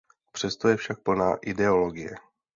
Přesto je však plná ideologie.